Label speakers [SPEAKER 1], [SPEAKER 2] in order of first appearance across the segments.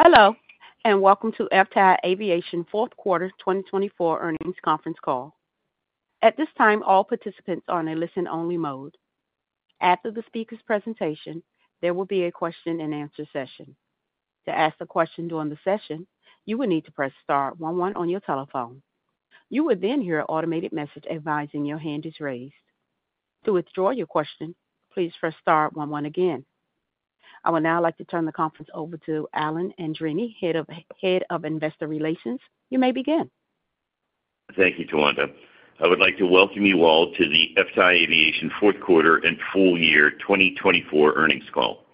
[SPEAKER 1] Hello, and welcome to FTAI Aviation Q4 2024 Earnings Conference Call. At this time, all participants are on a listen-only mode. After the speaker's presentation, there will be a Q&A session. To ask a question during the session, you will need to press star one one on your telephone. You will then hear an automated message advising your hand is raised. To withdraw your question, please press star one one again. I would now like to turn the conference over to Alan Andreini, Head of Investor Relations. You may begin.
[SPEAKER 2] Thank you, Tawanda. I would like to welcome you all to the FTAI Aviation Q4 and Full Year 2024 Earnings Call.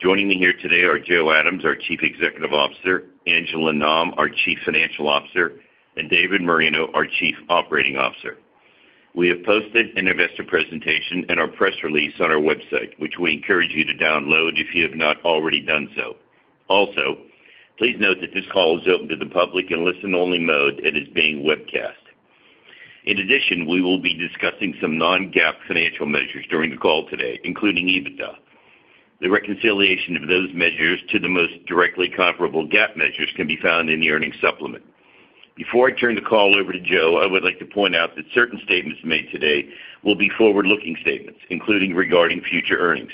[SPEAKER 2] Joining me here today are Joe Adams, our Chief Executive Officer, Angela Nam, our Chief Financial Officer, and David Moreno, our Chief Operating Officer. We have posted an investor presentation and our press release on our website, which we encourage you to download if you have not already done so. Also, please note that this call is open to the public in listen-only mode and is being webcast. In addition, we will be discussing some non-GAAP financial measures during the call today, including EBITDA. The reconciliation of those measures to the most directly comparable GAAP measures can be found in the earnings supplement. Before I turn the call over to Joe, I would like to point out that certain statements made today will be forward-looking statements, including regarding future earnings.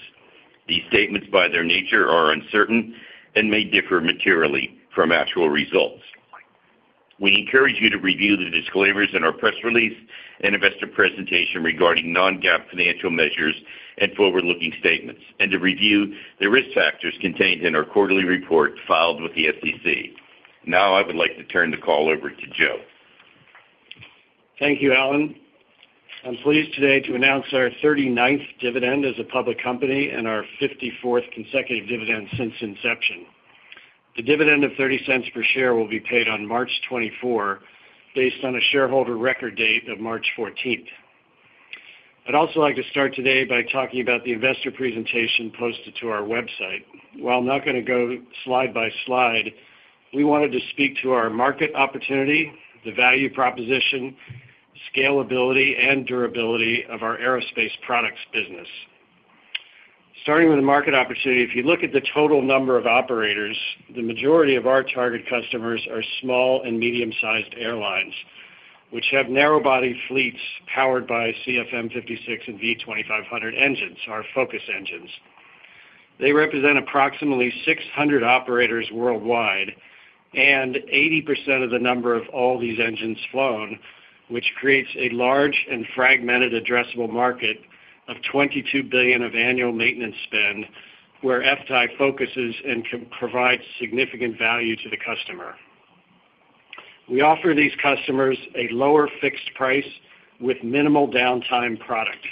[SPEAKER 2] These statements, by their nature, are uncertain and may differ materially from actual results. We encourage you to review the disclaimers in our press release and investor presentation regarding non-GAAP financial measures and forward-looking statements, and to review the risk factors contained in our quarterly report filed with the SEC. Now, I would like to turn the call over to Joe.
[SPEAKER 3] Thank you, Alan. I'm pleased today to announce our 39th dividend as a public company and our 54th consecutive dividend since inception. The dividend of $0.30 per share will be paid on March 24, based on a shareholder record date of March 14. I'd also like to start today by talking about the investor presentation posted to our website. While I'm not going to go slide by slide, we wanted to speak to our market opportunity, the value proposition, scalability, and durability of our aerospace products business. Starting with the market opportunity, if you look at the total number of operators, the majority of our target customers are small and medium-sized airlines, which have narrow-body fleets powered by CFM56 and V2500 engines, our focus engines. They represent approximately 600 operators worldwide and 80% of the number of all these engines flown, which creates a large and fragmented addressable market of $22 billion of annual maintenance spend, where FTAI focuses and provides significant value to the customer. We offer these customers a lower fixed price with minimal downtime product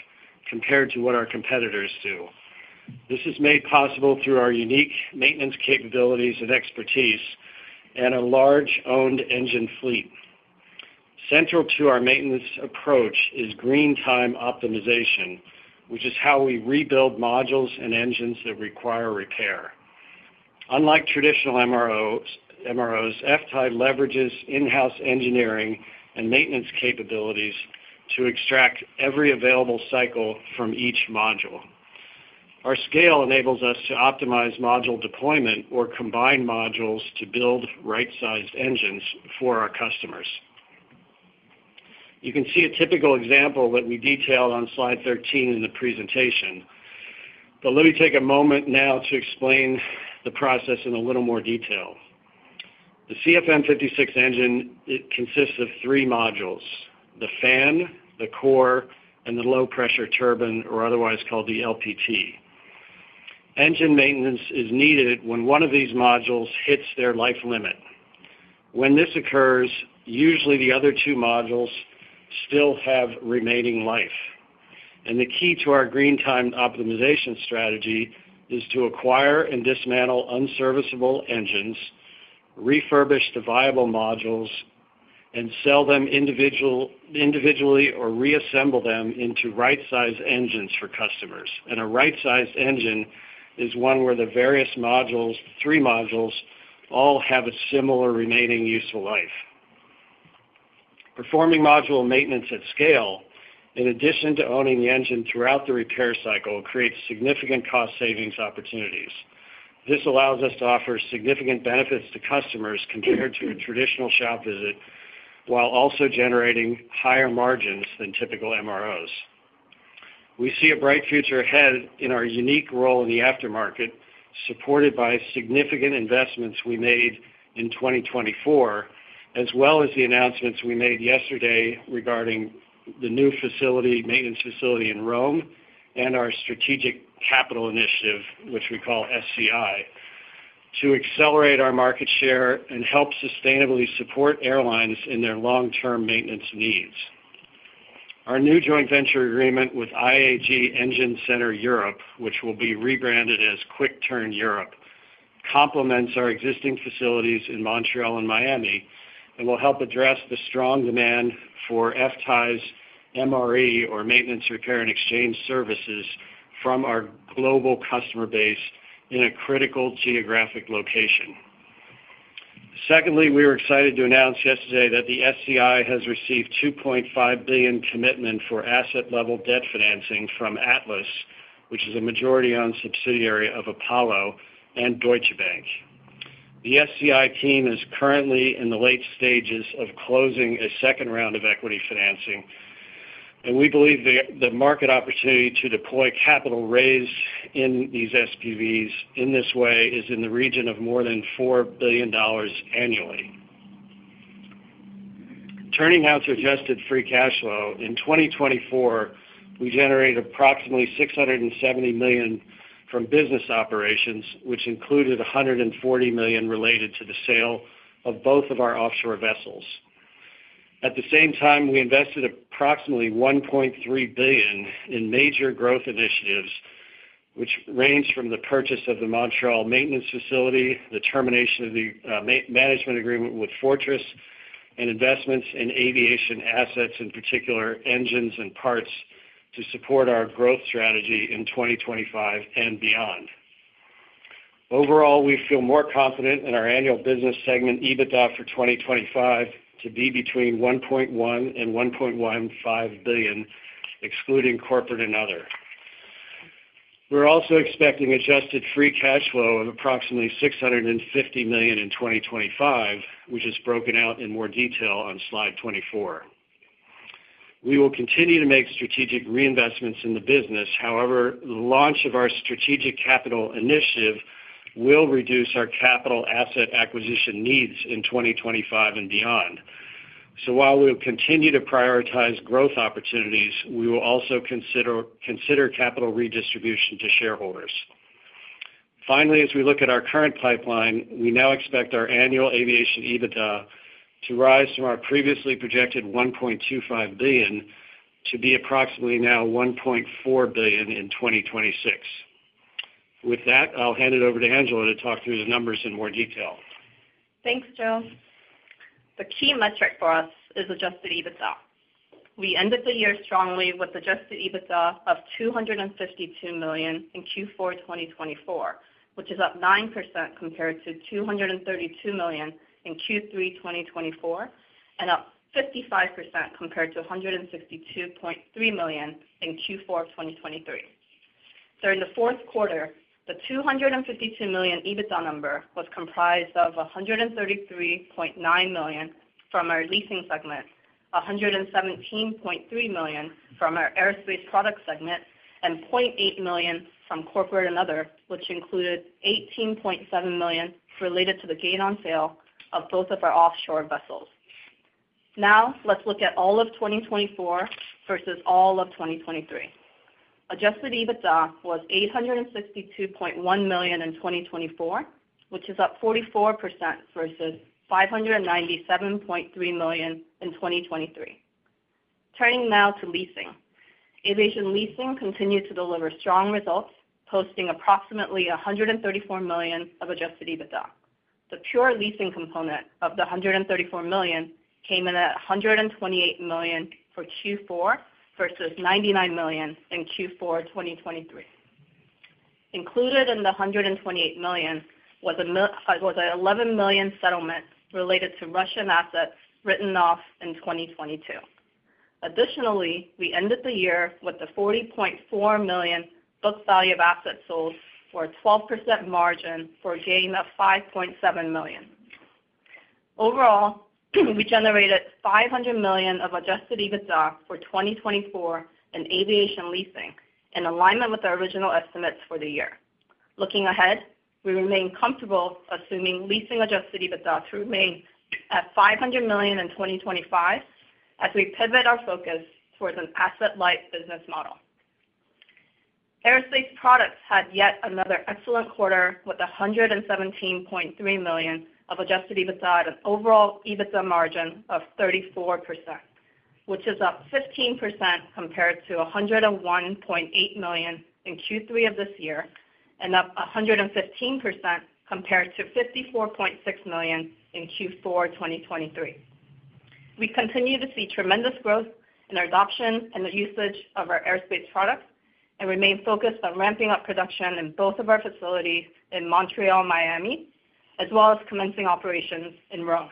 [SPEAKER 3] compared to what our competitors do. This is made possible through our unique maintenance capabilities and expertise and a large owned engine fleet. Central to our maintenance approach is green time optimization, which is how we rebuild modules and engines that require repair. Unlike traditional MROs, FTAI leverages in-house engineering and maintenance capabilities to extract every available cycle from each module. Our scale enables us to optimize module deployment or combine modules to build right-sized engines for our customers. You can see a typical example that we detailed on Slide 13 in the presentation. Let me take a moment now to explain the process in a little more detail. The CFM56 engine consists of three modules: the fan, the core, and the low-pressure Turbine, or otherwise called the LPT. Engine maintenance is needed when one of these modules hits their life limit. When this occurs, usually the other two modules still have remaining life. The key to our Green Time Optimization strategy is to acquire and dismantle unserviceable engines, refurbish the viable modules, and sell them individually or reassemble them into right-sized engines for customers. A right-sized engine is one where the various modules, three modules, all have a similar remaining useful life. Performing module maintenance at scale, in addition to owning the engine throughout the repair cycle, creates significant cost savings opportunities. This allows us to offer significant benefits to customers compared to a traditional shop visit, while also generating higher margins than typical MROs. We see a bright future ahead in our unique role in the aftermarket, supported by significant investments we made in 2024, as well as the announcements we made yesterday regarding the new facility, maintenance facility in Rome, and our strategic capital initiative, which we call SCI, to accelerate our market share and help sustainably support airlines in their long-term maintenance needs. Our new joint venture agreement with IAG Engine Center Europe, which will be rebranded as QuickTurn Europe, complements our existing facilities in Montreal and Miami and will help address the strong demand for FTAI's MRE, or Maintenance Repair and Exchange Services, from our global customer base in a critical geographic location. Secondly, we were excited to announce yesterday that the SCI has received $2.5 billion commitment for asset-level debt financing from Atlas, which is a majority-owned subsidiary of Apollo and Deutsche Bank. The SCI team is currently in the late stages of closing a second round of equity financing, and we believe the market opportunity to deploy capital raised in these SPVs in this way is in the region of more than $4 billion annually. Turning now to adjusted free cash flow, in 2024, we generated approximately $670 million from business operations, which included $140 million related to the sale of both of our offshore vessels. At the same time, we invested approximately $1.3 billion in major growth initiatives, which range from the purchase of the Montreal maintenance facility, the termination of the management agreement with Fortress, and investments in aviation assets, in particular engines and parts, to support our growth strategy in 2025 and beyond. Overall, we feel more confident in our annual business segment EBITDA for 2025 to be between $1.1 and $1.15 billion, excluding corporate and other. We're also expecting adjusted free cash flow of approximately $650 million in 2025, which is broken out in more detail on Slide 24. We will continue to make strategic reinvestments in the business. However, the launch of our strategic capital initiative will reduce our capital asset acquisition needs in 2025 and beyond. So while we'll continue to prioritize growth opportunities, we will also consider capital redistribution to shareholders. Finally, as we look at our current pipeline, we now expect our annual aviation EBITDA to rise from our previously projected $1.25 billion to be approximately now $1.4 billion in 2026. With that, I'll hand it over to Angela to talk through the numbers in more detail.
[SPEAKER 4] Thanks, Joe. The key metric for us is Adjusted EBITDA. We ended the year strongly with Adjusted EBITDA of $252 million in Q4 2024, which is up 9% compared to $232 million in Q3 2024 and up 55% compared to $162.3 million in Q4 2023. During the Q4, the $252 million EBITDA number was comprised of $133.9 million from our leasing segment, $117.3 million from our aerospace product segment, and $0.8 million from corporate and other, which included $18.7 million related to the gain on sale of both of our offshore vessels. Now, let's look at all of 2024 versus all of 2023. Adjusted EBITDA was $862.1 million in 2024, which is up 44% versus $597.3 million in 2023. Turning now to leasing, aviation leasing continued to deliver strong results, posting approximately $134 million of Adjusted EBITDA. The pure leasing component of the $134 million came in at $128 million for Q4 versus $99 million in Q4 2023. Included in the $128 million was an $11 million settlement related to Russian assets written off in 2022. Additionally, we ended the year with the $40.4 million book value of assets sold for a 12% margin for a gain of $5.7 million. Overall, we generated $500 million of adjusted EBITDA for 2024 in aviation leasing, in alignment with our original estimates for the year. Looking ahead, we remain comfortable assuming leasing adjusted EBITDA to remain at $500 million in 2025 as we pivot our focus towards an asset-light business model. Aerospace products had yet another excellent quarter with $117.3 million of adjusted EBITDA and an overall EBITDA margin of 34%, which is up 15% compared to $101.8 million in Q3 of this year and up 115% compared to $54.6 million in Q4 2023. We continue to see tremendous growth in our adoption and the usage of our aerospace products and remain focused on ramping up production in both of our facilities in Montreal and Miami, as well as commencing operations in Rome.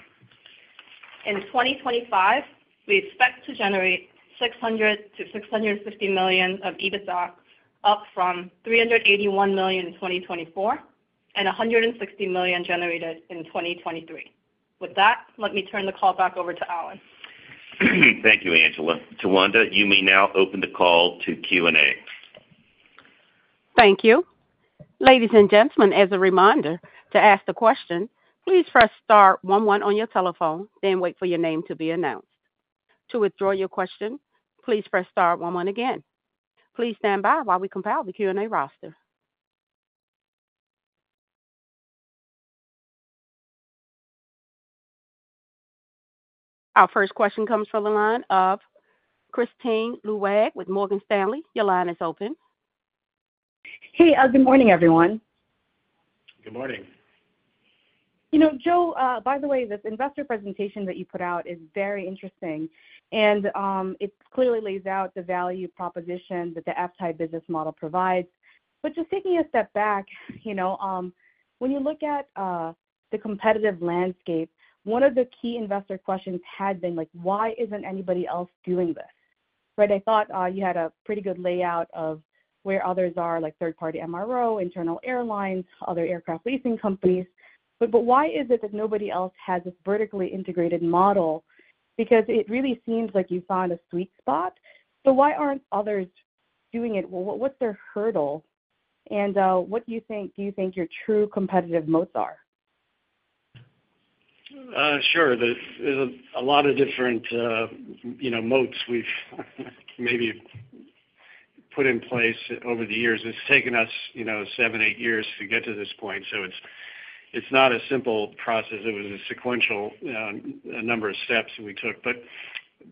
[SPEAKER 4] In 2025, we expect to generate $600-$650 million of EBITDA, up from $381 million in 2024 and $160 million generated in 2023. With that, let me turn the call back over to Alan.
[SPEAKER 2] Thank you, Angela. Tawanda, you may now open the call to Q&A.
[SPEAKER 1] Thank you. Ladies and gentlemen, as a reminder, to ask a question, please press star one one on your telephone, then wait for your name to be announced. To withdraw your question, please press star one one again. Please stand by while we compile the Q&A roster. Our first question comes from the line of Kristine Liwag with Morgan Stanley. Your line is open.
[SPEAKER 5] Good morning, everyone.
[SPEAKER 3] Good morning.
[SPEAKER 5] You know, Joe, by the way, this investor presentation that you put out is very interesting, and it clearly lays out the value proposition that the FTAI business model provides. But just taking a step back, you know, when you look at the competitive landscape, one of the key investor questions had been, like, why isn't anybody else doing this? Right? I thought you had a pretty good layout of where others are, like third-party MRO, internal airlines, other aircraft leasing companies. But why is it that nobody else has this vertically integrated model? Because it really seems like you found a sweet spot. So why aren't others doing it? What's their hurdle? And what do you think, do you think your true competitive moats are?
[SPEAKER 3] Sure. There's a lot of different, you know, moats we've maybe put in place over the years. It's taken us, you know, seven, eight years to get to this point. So it's not a simple process. It was a sequential number of steps we took. But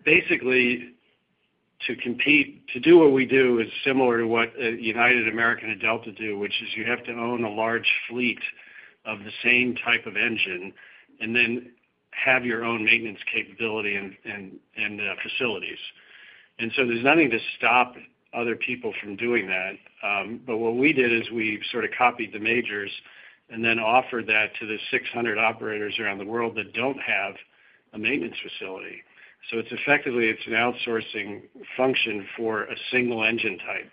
[SPEAKER 3] basically, to compete, to do what we do is similar to what United and American had to do, which is you have to own a large fleet of the same type of engine and then have your own maintenance capability and facilities. And so there's nothing to stop other people from doing that. But what we did is we sort of copied the majors and then offered that to the 600 operators around the world that don't have a maintenance facility. So it's effectively, it's an outsourcing function for a single engine type.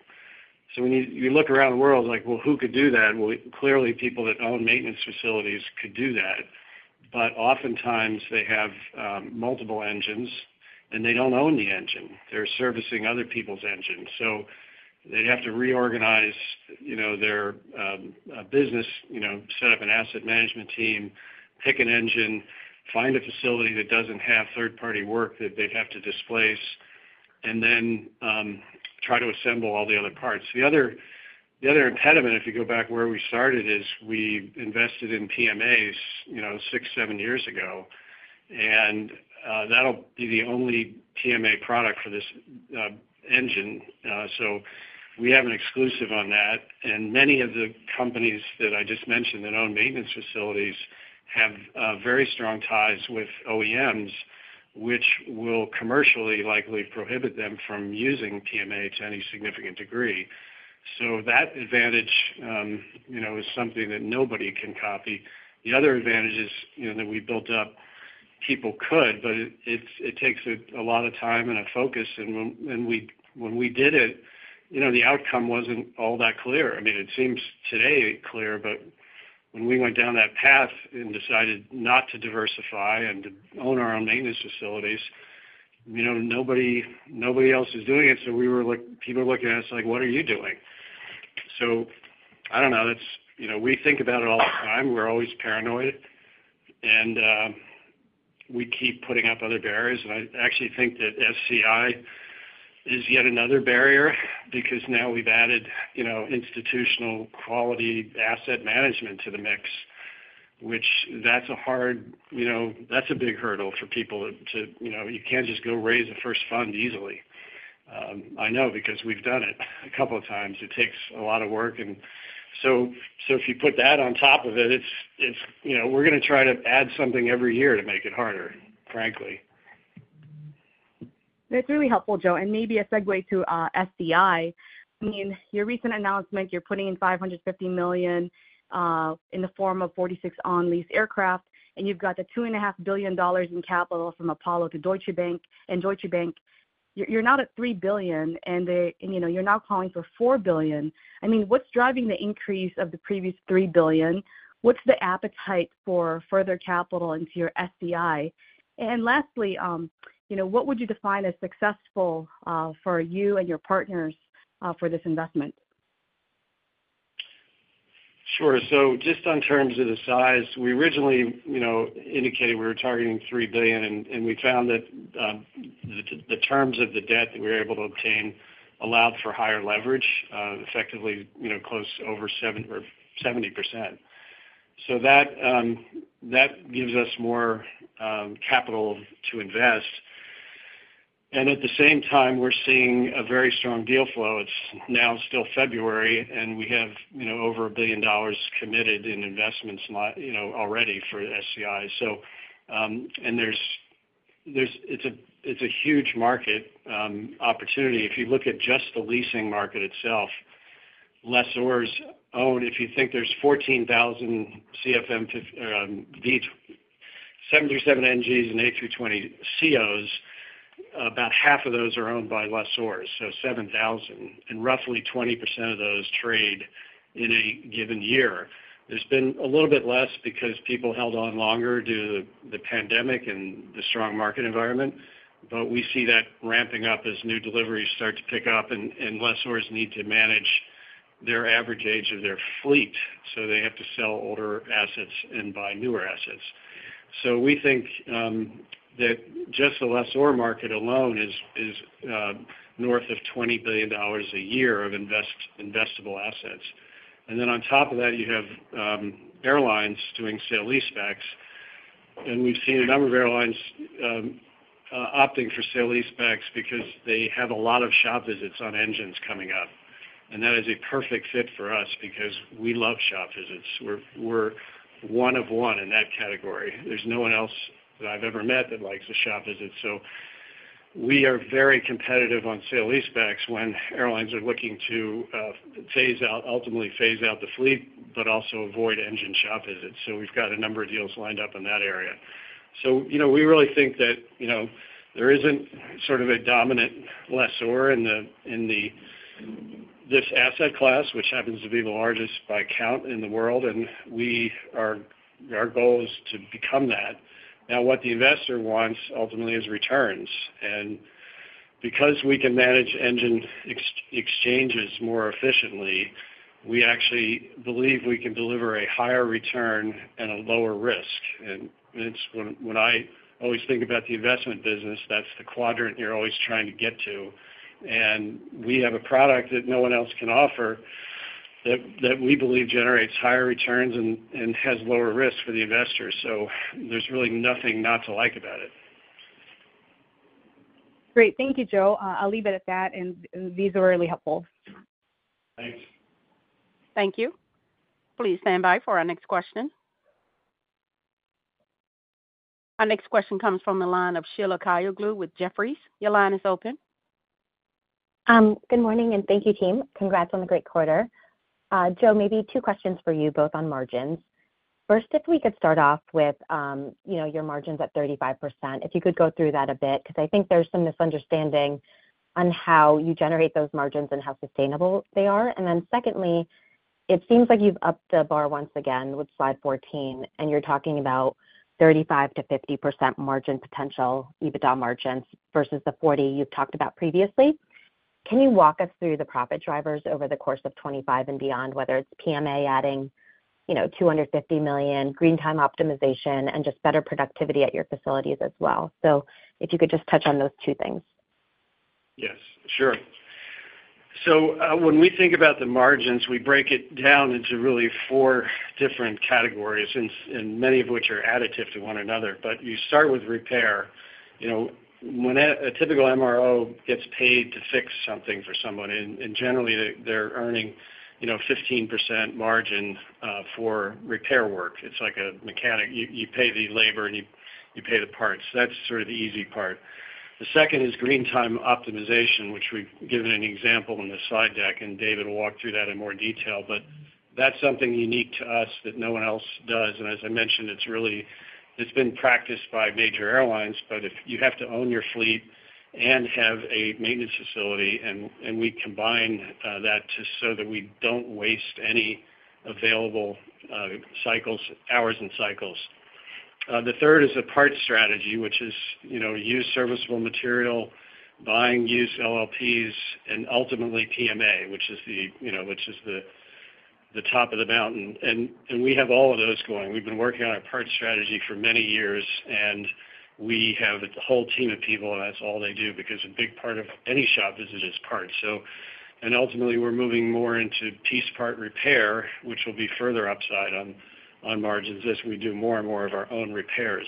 [SPEAKER 3] So when you look around the world, like, well, who could do that? Well, clearly, people that own maintenance facilities could do that. But oftentimes, they have multiple engines and they don't own the engine. They're servicing other people's engines. So they'd have to reorganize, you know, their business, you know, set up an asset management team, pick an engine, find a facility that doesn't have third-party work that they'd have to displace, and then try to assemble all the other parts. The other impediment, if you go back where we started, is we invested in PMAs, you know, six, seven years ago, and that'll be the only PMA product for this engine. So we have an exclusive on that. Many of the companies that I just mentioned that own maintenance facilities have very strong ties with OEMs, which will commercially likely prohibit them from using PMA to any significant degree. That advantage, you know, is something that nobody can copy. The other advantages, you know, that we built up, people could, but it takes a lot of time and a focus. When we did it, you know, the outcome wasn't all that clear. I mean, it seems today clear, but when we went down that path and decided not to diversify and to own our own maintenance facilities, you know, nobody else is doing it. We were looking, people looking at us like, what are you doing? I don't know. That's, you know, we think about it all the time. We're always paranoid, and we keep putting up other barriers. And I actually think that SCI is yet another barrier because now we've added, you know, institutional quality asset management to the mix, which that's a hard, you know, that's a big hurdle for people to, you know, you can't just go raise a first fund easily. I know because we've done it a couple of times. It takes a lot of work. And so if you put that on top of it, it's, you know, we're going to try to add something every year to make it harder, frankly.
[SPEAKER 5] That's really helpful, Joe. And maybe a segue to SCI. I mean, your recent announcement, you're putting in $550 million in the form of 46 on-lease aircraft, and you've got the $2.5 billion in capital from Apollo and Deutsche Bank. And Deutsche Bank, you're now at $3 billion, and you know, you're now calling for $4 billion. I mean, what's driving the increase from the previous $3 billion? What's the appetite for further capital into your SCI? And lastly, you know, what would you define as successful for you and your partners for this investment?
[SPEAKER 3] Sure. So just on terms of the size, we originally, you know, indicated we were targeting $3 billion, and we found that the terms of the debt that we were able to obtain allowed for higher leverage, effectively, you know, close over 70%. So that gives us more capital to invest. And at the same time, we're seeing a very strong deal flow. It's now still February, and we have, you know, over $1 billion committed in investments, you know, already for SCI. So, and there's, it's a huge market opportunity. If you look at just the leasing market itself, lessors own, if you think there's 14,000 CFM56s, 737 NGs, and A320 CEOs, about half of those are owned by lessors, so 7,000, and roughly 20% of those trade in a given year. There's been a little bit less because people held on longer due to the pandemic and the strong market environment, but we see that ramping up as new deliveries start to pick up, and lessors need to manage their average age of their fleet, so they have to sell older assets and buy newer assets. So we think that just the lessor market alone is north of $20 billion a year of investable assets. And then on top of that, you have airlines doing sale-leasebacks, and we've seen a number of airlines opting for sale-leasebacks because they have a lot of shop visits on engines coming up. And that is a perfect fit for us because we love shop visits. We're one of one in that category. There's no one else that I've ever met that likes a shop visit. So we are very competitive on sale-leasebacks when airlines are looking to phase out, ultimately phase out the fleet, but also avoid engine shop visits. So we've got a number of deals lined up in that area. So, you know, we really think that, you know, there isn't sort of a dominant lessor in this asset class, which happens to be the largest by count in the world, and our goal is to become that. Now, what the investor wants ultimately is returns. And because we can manage engine exchanges more efficiently, we actually believe we can deliver a higher return and a lower risk. And it's when I always think about the investment business, that's the quadrant you're always trying to get to. And we have a product that no one else can offer that we believe generates higher returns and has lower risk for the investor. So there's really nothing not to like about it.
[SPEAKER 5] Great. Thank you, Joe. I'll leave it at that, and these are really helpful.
[SPEAKER 3] Thanks.
[SPEAKER 1] Thank you. Please stand by for our next question. Our next question comes from the line of Sheila Kahyaoglu with Jefferies. Your line is open.
[SPEAKER 6] Good morning, and thank you, team. Congrats on the great quarter. Joe, maybe two questions for you, both on margins. First, if we could start off with, you know, your margins at 35%, if you could go through that a bit, because I think there's some misunderstanding on how you generate those margins and how sustainable they are. And then secondly, it seems like you've upped the bar once again with Slide 14, and you're talking about 35%-50% margin potential, EBITDA margins versus the 40% you've talked about previously. Can you walk us through the profit drivers over the course of 2025 and beyond, whether it's PMA adding, you know, $250 million, green time optimization, and just better productivity at your facilities as well? So if you could just touch on those two things.
[SPEAKER 3] Yes, sure. So when we think about the margins, we break it down into really four different categories, and many of which are additive to one another. But you start with repair. You know, when a typical MRO gets paid to fix something for someone, and generally they're earning, you know, 15% margin for repair work. It's like a mechanic. You pay the labor and you pay the parts. That's sort of the easy part. The second is green time optimization, which we've given an example in the slide deck, and David will walk through that in more detail. But that's something unique to us that no one else does. And as I mentioned, it's really, it's been practiced by major airlines, but if you have to own your fleet and have a maintenance facility, and we combine that so that we don't waste any available cycles, hours and cycles. The third is a parts strategy, which is, you know, used serviceable material, buying used LLPs, and ultimately PMA, which is the, you know, which is the top of the mountain. And we have all of those going. We've been working on a parts strategy for many years, and we have a whole team of people, and that's all they do because a big part of any shop visit is parts. So, and ultimately we're moving more into piece part repair, which will be further upside on margins as we do more and more of our own repairs.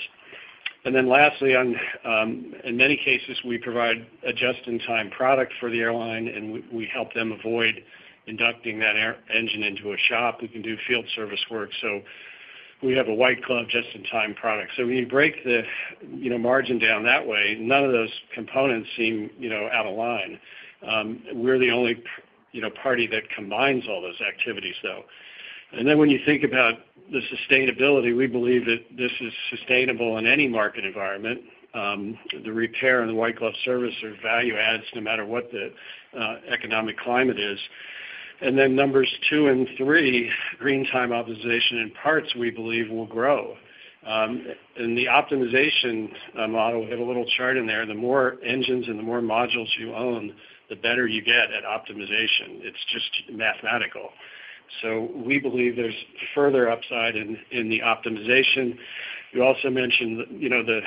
[SPEAKER 3] And then lastly, in many cases, we provide a just-in-time product for the airline, and we help them avoid inducting that engine into a shop. We can do field service work. So we have a white glove just-in-time product. So when you break the, you know, margin down that way, none of those components seem, you know, out of line. We're the only, you know, party that combines all those activities, though, and then when you think about the sustainability, we believe that this is sustainable in any market environment. The repair and the white glove service are value adds no matter what the economic climate is, and then numbers two and three, green time optimization and parts, we believe will grow. And the optimization model, we have a little chart in there. The more engines and the more modules you own, the better you get at optimization. It's just mathematical, so we believe there's further upside in the optimization. You also mentioned, you know, the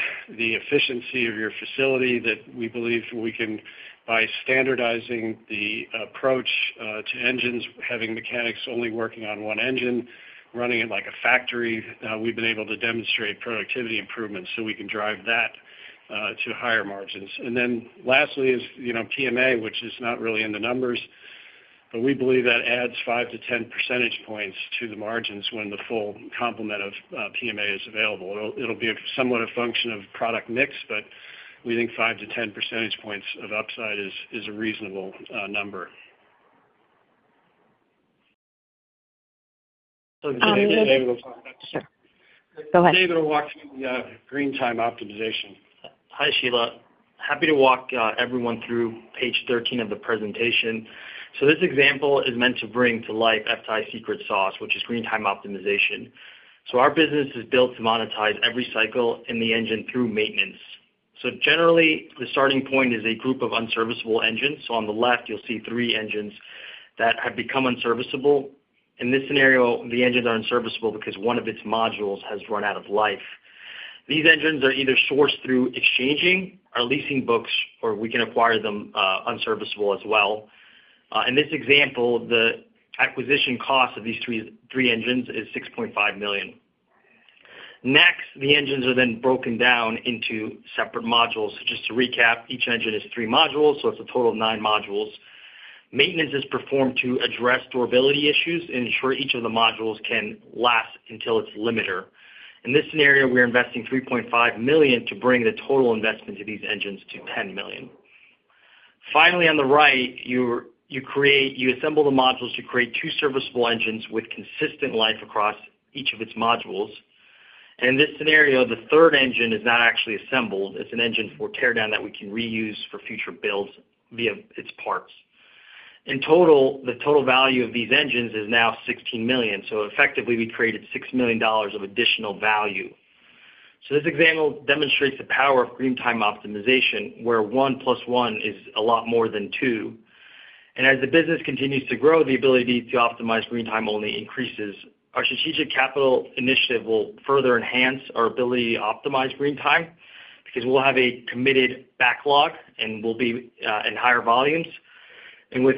[SPEAKER 3] efficiency of your facility that we believe we can by standardizing the approach to engines, having mechanics only working on one engine, running it like a factory. We've been able to demonstrate productivity improvements so we can drive that to higher margins. And then lastly is, you know, PMA, which is not really in the numbers, but we believe that adds 5-10 percentage points to the margins when the full complement of PMA is available. It'll be somewhat a function of product mix, but we think 5-10 percentage points of upside is a reasonable number. David will walk through the Green Time Optimization.
[SPEAKER 7] Hi, Sheila. Happy to walk everyone through page 13 of the presentation. So this example is meant to bring to life FTAI secret sauce, which is green time optimization. So our business is built to monetize every cycle in the engine through maintenance. So generally, the starting point is a group of unserviceable engines. So on the left, you'll see three engines that have become unserviceable. In this scenario, the engines are unserviceable because one of its modules has run out of life. These engines are either sourced through exchanging or leasing books, or we can acquire them unserviceable as well. In this example, the acquisition cost of these three engines is $6.5 million. Next, the engines are then broken down into separate modules. So just to recap, each engine is three modules, so it's a total of nine modules. Maintenance is performed to address durability issues and ensure each of the modules can last until its limiter. In this scenario, we're investing $3.5 million to bring the total investment to these engines to $10 million. Finally, on the right, you create, you assemble the modules to create two serviceable engines with consistent life across each of its modules, and in this scenario, the third engine is not actually assembled. It's an engine for teardown that we can reuse for future builds via its parts. In total, the total value of these engines is now $16 million, so effectively, we created $6 million of additional value, so this example demonstrates the power of green time optimization, where one plus one is a lot more than two, and as the business continues to grow, the ability to optimize green time only increases. Our strategic capital initiative will further enhance our ability to optimize green time because we'll have a committed backlog, and we'll be in higher volumes. And with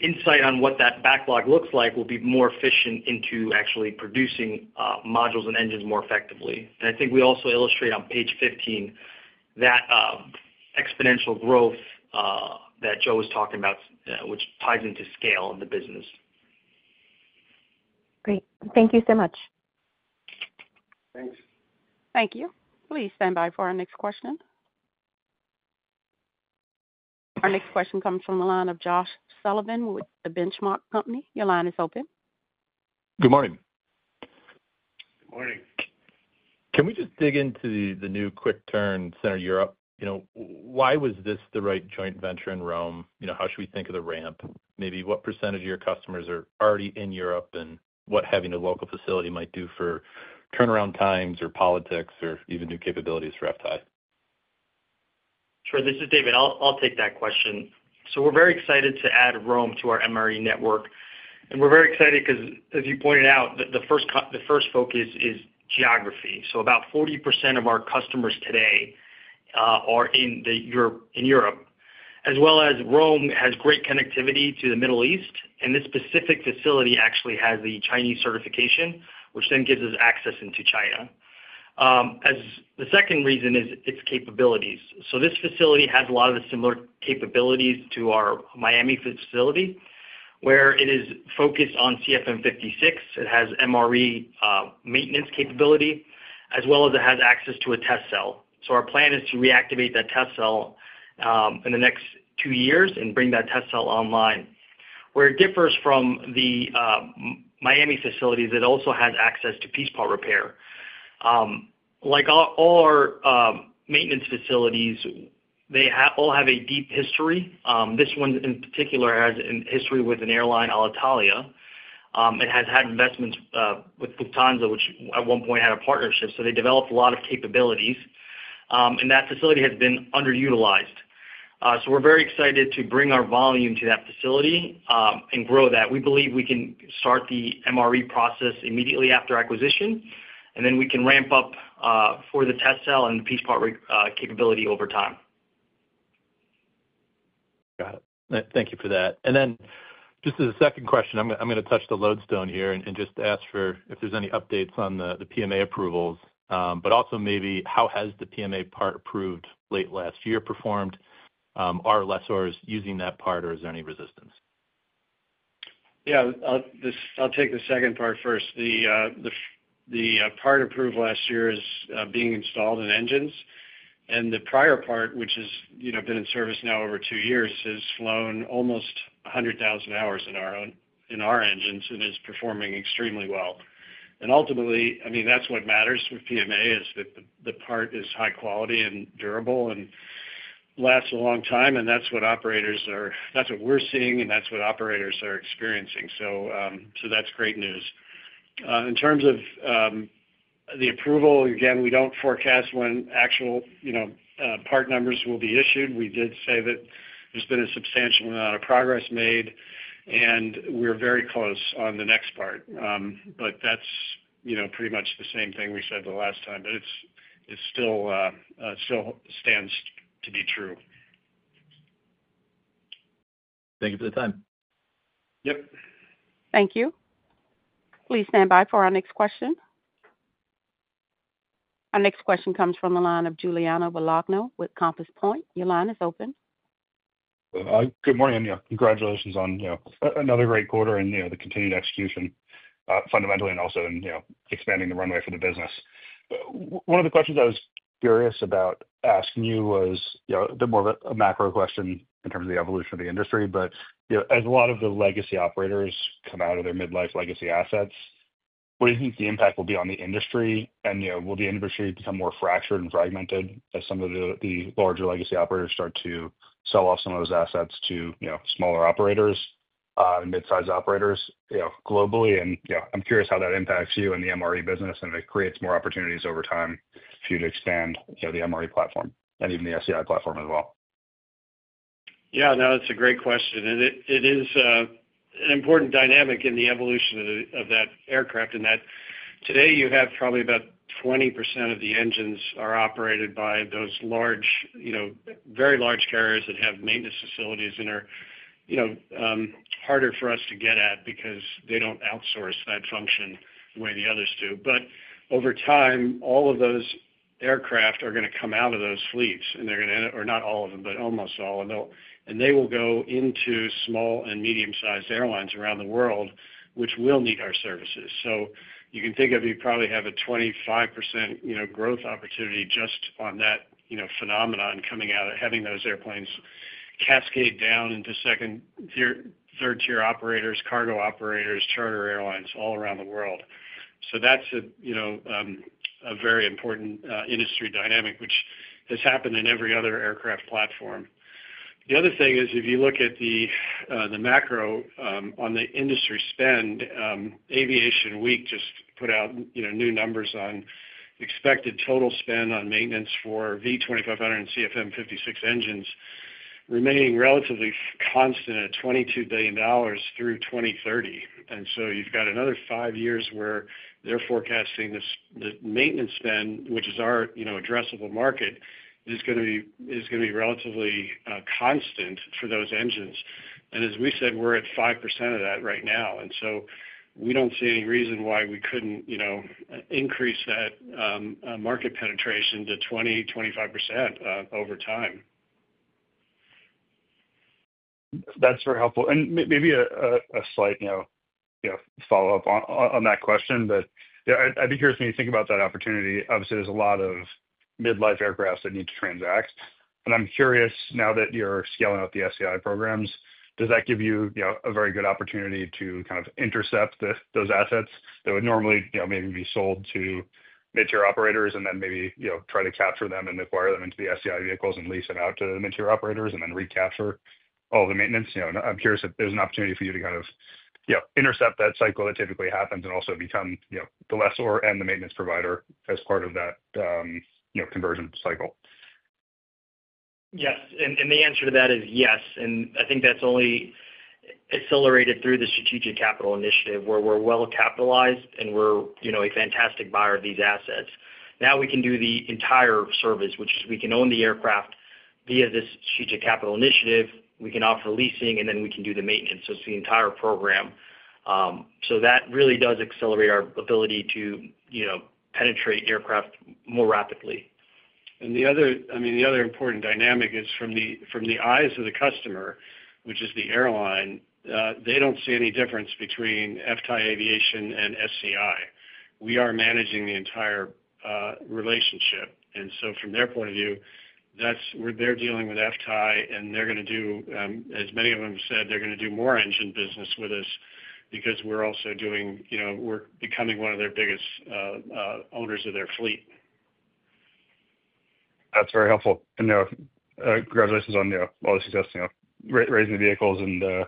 [SPEAKER 7] insight on what that backlog looks like, we'll be more efficient into actually producing modules and engines more effectively. And I think we also illustrate on page 15 that exponential growth that Joe was talking about, which ties into scale in the business.
[SPEAKER 6] Great. Thank you so much.
[SPEAKER 8] Thanks.
[SPEAKER 1] Thank you. Please stand by for our next question. Our next question comes from the line of Josh Sullivan with The Benchmark Company. Your line is open.
[SPEAKER 9] Good morning.
[SPEAKER 3] Good morning.
[SPEAKER 9] Can we just dig into the new QuickTurn Europe? You know, why was this the right joint venture in Rome? You know, how should we think of the ramp? Maybe what percentage of your customers are already in Europe and what having a local facility might do for turnaround times or politics or even new capabilities for FTAI?
[SPEAKER 7] Sure. This is David. I'll take that question. So we're very excited to add Rome to our MRE network. And we're very excited because, as you pointed out, the first focus is geography. So about 40% of our customers today are in Europe, as well as Rome has great connectivity to the Middle East. And this specific facility actually has the Chinese certification, which then gives us access into China. The second reason is its capabilities. So this facility has a lot of similar capabilities to our Miami facility, where it is focused on CFM56. It has MRE maintenance capability, as well as it has access to a test cell. So our plan is to reactivate that test cell in the next two years and bring that test cell online, where it differs from the Miami facility that also has access to piece part repair. Like all our maintenance facilities, they all have a deep history. This one in particular has a history with an airline, Alitalia. It has had investments with Lufthansa, which at one point had a partnership. So they developed a lot of capabilities, and that facility has been underutilized. So we're very excited to bring our volume to that facility and grow that. We believe we can start the MRE process immediately after acquisition, and then we can ramp up for the test cell and the piece part capability over time.
[SPEAKER 9] Got it. Thank you for that. And then just as a second question, I'm going to touch the third rail here and just ask if there's any updates on the PMA approvals, but also maybe how has the PMA part approved late last year performed. How are lessors using that part, or is there any resistance?
[SPEAKER 3] Yeah, I'll take the second part first. The part approved last year is being installed in engines. And the prior part, which has been in service now over two years, has flown almost 100,000 hours in our engines and is performing extremely well. And ultimately, I mean, that's what matters with PMA is that the part is high quality and durable and lasts a long time. And that's what operators are, that's what we're seeing, and that's what operators are experiencing. So that's great news. In terms of the approval, again, we don't forecast when actual, you know, part numbers will be issued. We did say that there's been a substantial amount of progress made, and we're very close on the next part. But that's, you know, pretty much the same thing we said the last time, but it still stands to be true.
[SPEAKER 9] Thank you for the time.
[SPEAKER 3] Yep.
[SPEAKER 1] Thank you. Please stand by for our next question. Our next question comes from the line of Giuliano Bologna with Compass Point. Your line is open.
[SPEAKER 10] Good morning, and congratulations on, you know, another great quarter and, you know, the continued execution fundamentally and also in, you know, expanding the runway for the business. One of the questions I was curious about asking you was, you know, a bit more of a macro question in terms of the evolution of the industry. But, you know, as a lot of the legacy operators come out of their midlife legacy assets, what do you think the impact will be on the industry? And, you know, will the industry become more fractured and fragmented as some of the larger legacy operators start to sell off some of those assets to, you know, smaller operators, midsize operators, you know, globally? You know, I'm curious how that impacts you and the MRE business, and if it creates more opportunities over time for you to expand, you know, the MRE platform and even the SCI platform as well.
[SPEAKER 3] Yeah, no, that's a great question and it is an important dynamic in the evolution of that aircraft. And that today you have probably about 20% of the engines are operated by those large, you know, very large carriers that have maintenance facilities and are, you know, harder for us to get at because they don't outsource that function the way the others do. But over time, all of those aircraft are going to come out of those fleets, and they're going to, or not all of them, but almost all, and they will go into small and medium-sized airlines around the world, which will need our services. So you can think of, you probably have a 25%, you know, growth opportunity just on that, you know, phenomenon coming out of having those airplanes cascade down into second, third-tier operators, cargo operators, charter airlines all around the world. That's a, you know, a very important industry dynamic, which has happened in every other aircraft platform. The other thing is, if you look at the macro on the industry spend, Aviation Week just put out, you know, new numbers on expected total spend on maintenance for V2500 and CFM56 engines remaining relatively constant at $22 billion through 2030. And so you've got another five years where they're forecasting the maintenance spend, which is our, you know, addressable market, is going to be relatively constant for those engines. And as we said, we're at 5% of that right now. And so we don't see any reason why we couldn't, you know, increase that market penetration to 20%-25% over time.
[SPEAKER 10] That's very helpful, and maybe a slight, you know, follow-up on that question, but I'd be curious when you think about that opportunity. Obviously, there's a lot of midlife aircraft that need to transact, and I'm curious now that you're scaling up the SCI programs, does that give you, you know, a very good opportunity to kind of intercept those assets that would normally, you know, maybe be sold to mid-tier operators and then maybe, you know, try to capture them and acquire them into the SCI vehicles and lease them out to the mid-tier operators and then recapture all the maintenance? You know, I'm curious if there's an opportunity for you to kind of, you know, intercept that cycle that typically happens and also become, you know, the lessor and the maintenance provider as part of that, you know, conversion cycle.
[SPEAKER 7] Yes, and the answer to that is yes, and I think that's only accelerated through the Strategic Capital Initiative where we're well capitalized and we're, you know, a fantastic buyer of these assets. Now we can do the entire service, which is we can own the aircraft via this Strategic Capital Initiative. We can offer leasing, and then we can do the maintenance, so it's the entire program, so that really does accelerate our ability to, you know, penetrate aircraft more rapidly.
[SPEAKER 3] And the other, I mean, the other important dynamic is from the eyes of the customer, which is the airline. They don't see any difference between FTAI Aviation and SCI. We are managing the entire relationship. And so from their point of view, that's where they're dealing with FTAI, and they're going to do, as many of them have said, they're going to do more engine business with us because we're also doing, you know, we're becoming one of their biggest owners of their fleet.
[SPEAKER 10] That's very helpful. And congratulations on, you know, all the success, you know, raising the vehicles and,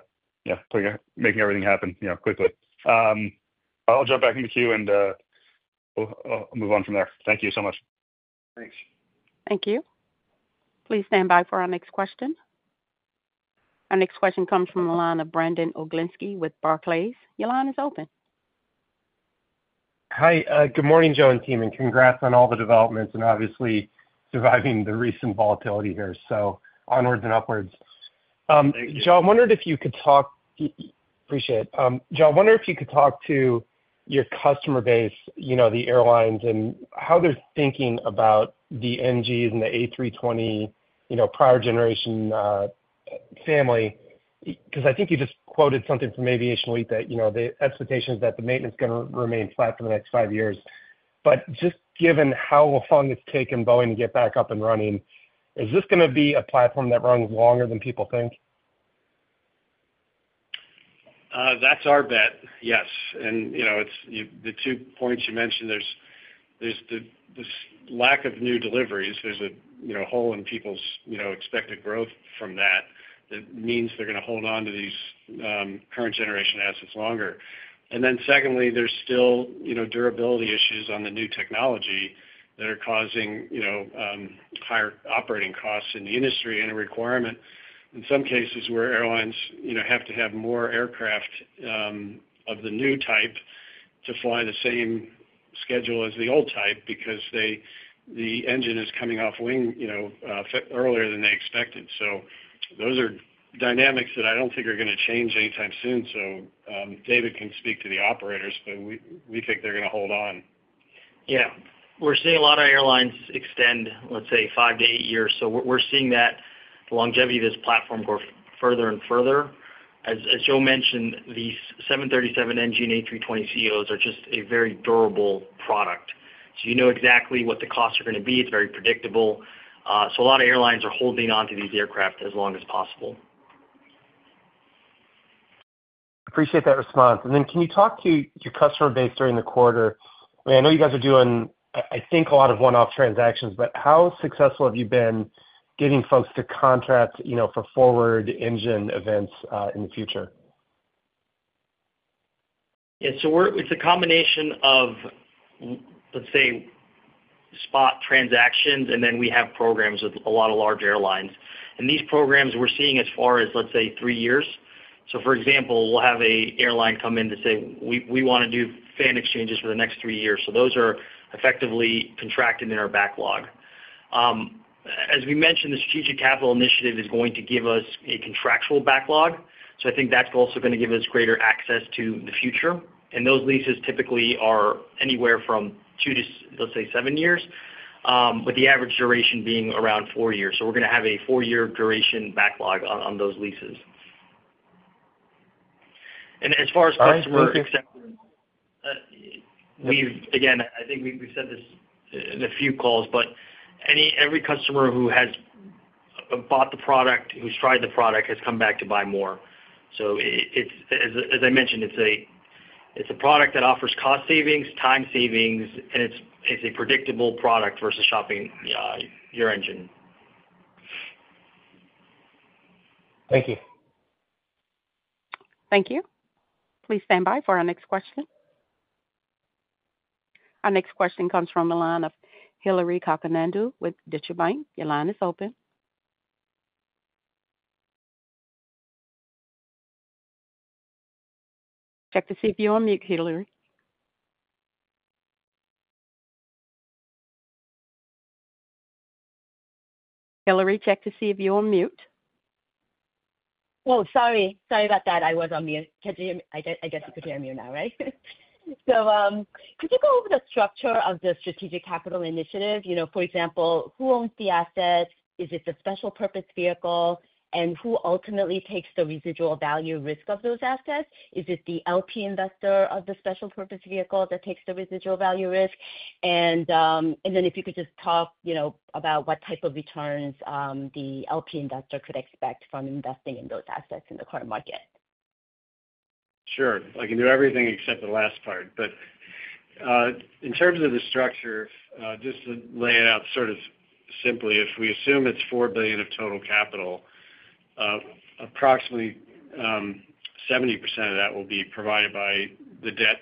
[SPEAKER 10] you know, making everything happen, you know, quickly. I'll jump back in the queue and I'll move on from there. Thank you so much.
[SPEAKER 3] Thanks.
[SPEAKER 1] Thank you. Please stand by for our next question. Our next question comes from the line of Brandon Oglenski with Barclays. Your line is open.
[SPEAKER 11] Hi, good morning, Joe and team, and congrats on all the developments and obviously surviving the recent volatility here, so onwards and upwards.
[SPEAKER 3] Thank you.
[SPEAKER 11] Joe, I wonder if you could talk to your customer base, you know, the airlines and how they're thinking about the NGs and the A320, you know, prior generation family, because I think you just quoted something from Aviation Week that, you know, the expectation is that the maintenance is going to remain flat for the next five years. But just given how long it's taken Boeing to get back up and running, is this going to be a platform that runs longer than people think?
[SPEAKER 3] That's our bet, yes. And, you know, it's the two points you mentioned. There's this lack of new deliveries. There's a, you know, hole in people's, you know, expected growth from that that means they're going to hold on to these current generation assets longer. And then secondly, there's still, you know, durability issues on the new technology that are causing, you know, higher operating costs in the industry and a requirement in some cases where airlines, you know, have to have more aircraft of the new type to fly the same schedule as the old type because the engine is coming off wing, you know, earlier than they expected. So those are dynamics that I don't think are going to change anytime soon. So David can speak to the operators, but we think they're going to hold on.
[SPEAKER 7] Yeah. We're seeing a lot of airlines extend, let's say, five to eight years. So we're seeing that the longevity of this platform grow further and further. As Joe mentioned, these 737 NG and A320 CEOs are just a very durable product. So you know exactly what the costs are going to be. It's very predictable. So a lot of airlines are holding on to these aircraft as long as possible.
[SPEAKER 11] Appreciate that response. And then can you talk to your customer base during the quarter? I mean, I know you guys are doing, I think, a lot of one-off transactions, but how successful have you been getting folks to contract, you know, for forward engine events in the future?
[SPEAKER 7] Yeah. So it's a combination of, let's say, spot transactions, and then we have programs with a lot of large airlines. And these programs we're seeing as far as, let's say, three years. So for example, we'll have an airline come in to say, "We want to do fan exchanges for the next three years." So those are effectively contracted in our backlog. As we mentioned, the strategic capital initiative is going to give us a contractual backlog. So I think that's also going to give us greater access to the future. And those leases typically are anywhere from two to, let's say, seven years, with the average duration being around four years. So we're going to have a four-year duration backlog on those leases. As far as customer acceptance, we've again, I think we've said this in a few calls, but every customer who has bought the product, who's tried the product, has come back to buy more. As I mentioned, it's a product that offers cost savings, time savings, and it's a predictable product versus shopping your engine.
[SPEAKER 11] Thank you.
[SPEAKER 1] Thank you. Please stand by for our next question. Our next question comes from the line of Hillary Cacanando with Deutsche Bank. Your line is open. Check to see if you're on mute, Hillary. Hillary, check to see if you're on mute.
[SPEAKER 12] Sorry. Sorry about that. I was on mute. I guess you could hear me now, right? So could you go over the structure of the strategic capital initiative? You know, for example, who owns the assets? Is it the special purpose vehicle? And who ultimately takes the residual value risk of those assets? Is it the LP investor of the special purpose vehicle that takes the residual value risk? And then if you could just talk, you know, about what type of returns the LP investor could expect from investing in those assets in the current market.
[SPEAKER 3] Sure. I can do everything except the last part. But in terms of the structure, just to lay it out sort of simply, if we assume it's $4 billion of total capital, approximately 70% of that will be provided by the debt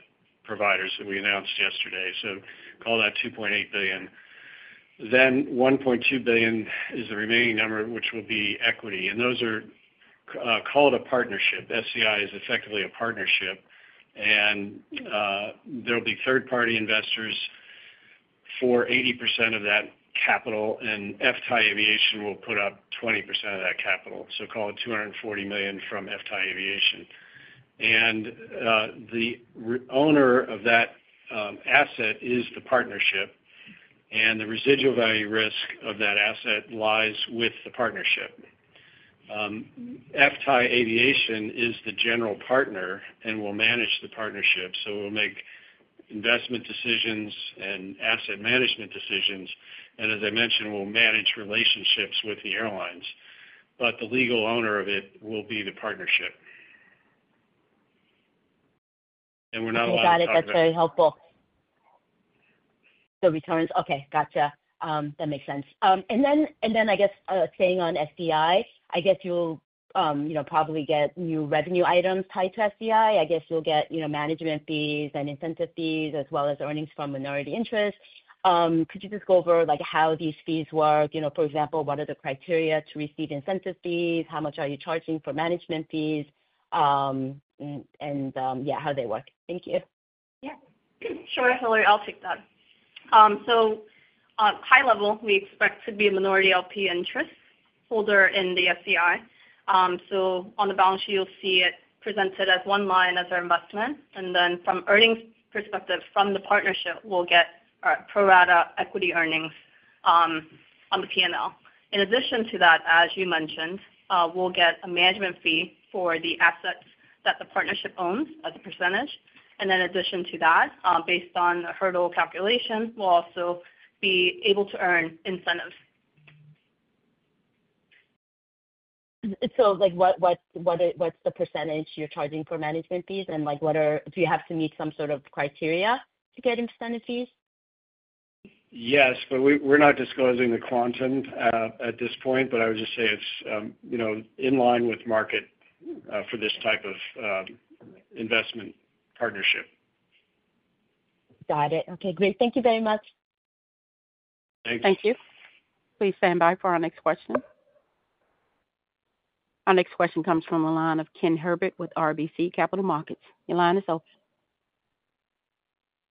[SPEAKER 3] providers that we announced yesterday. So call that $2.8 billion. Then $1.2 billion is the remaining number, which will be equity. And those are called a partnership. SCI is effectively a partnership. And there'll be third-party investors for 80% of that capital. And FTAI Aviation will put up 20% of that capital. So call it $240 million from FTAI Aviation. And the owner of that asset is the partnership. And the residual value risk of that asset lies with the partnership. FTAI Aviation is the general partner and will manage the partnership. So it will make investment decisions and asset management decisions. As I mentioned, it will manage relationships with the airlines. The legal owner of it will be the partnership. We're not allowed to.
[SPEAKER 12] You got it. That's very helpful. The returns. Okay. Gotcha. That makes sense. And then I guess staying on SCI, I guess you'll, you know, probably get new revenue items tied to SCI, I guess you'll get, you know, management fees and incentive fees as well as earnings from minority interest. Could you just go over like how these fees work? You know, for example, what are the criteria to receive incentive fees? How much are you charging for management fees? And yeah, how they work. Thank you.
[SPEAKER 4] Yeah. Sure, Hillary, I'll take that. So high level, we expect to be a minority LP interest holder in the SCI. So on the balance sheet, you'll see it presented as one line as our investment. And then from earnings perspective from the partnership, we'll get pro rata equity earnings on the P&L. In addition to that, as you mentioned, we'll get a management fee for the assets that the partnership owns as a percentage. And in addition to that, based on hurdle calculation, we'll also be able to earn incentives.
[SPEAKER 12] So like what's the percentage you're charging for management fees? And like what do you have to meet some sort of criteria to get incentive fees?
[SPEAKER 3] Yes, but we're not disclosing the quantum at this point, but I would just say it's, you know, in line with market for this type of investment partnership.
[SPEAKER 12] Got it. Okay. Great. Thank you very much.
[SPEAKER 3] Thanks.
[SPEAKER 1] Thank you. Please stand by for our next question. Our next question comes from the line of Ken Herbert with RBC Capital Markets. Your line is open.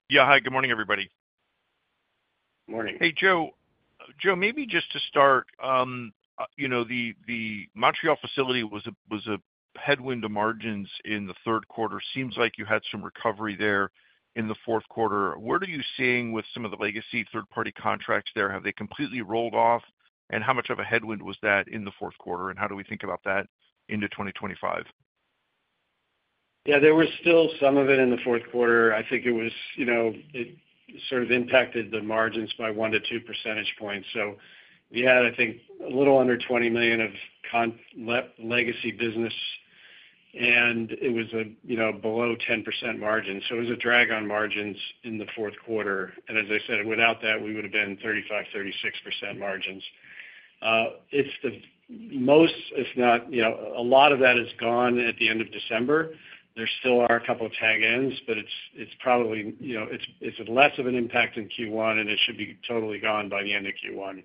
[SPEAKER 13] Yeah. Hi, good morning, everybody.
[SPEAKER 3] Morning.
[SPEAKER 13] Joe, maybe just to start, you know, the Montreal facility was a headwind to margins in the Q3. Seems like you had some recovery there in the Q4. Where are you seeing with some of the legacy third-party contracts there? Have they completely rolled off? And how much of a headwind was that in the fourth quarter? And how do we think about that into 2025?
[SPEAKER 3] Yeah, there was still some of it in the Q4. I think it was, you know, it sort of impacted the margins by one to two percentage points. So we had, I think, a little under $20 million of legacy business. And it was a, you know, below 10% margin. So it was a drag on margins in the Q4. And as I said, without that, we would have been 35%-36% margins. It's the most, if not, you know, a lot of that is gone at the end of December. There still are a couple of tag ends, but it's probably, you know, it's less of an impact in Q1, and it should be totally gone by the end of Q1.